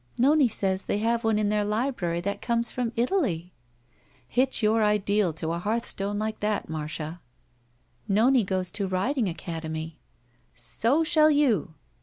"Nonie says they have one in their library that comes from Italy." "Hitch your ideal to a hearthstone Uke that, Marda." "Nonie goes to riding academy." "So shall you."